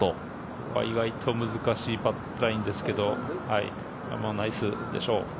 ここは意外と難しいラインですけどナイスでしょう。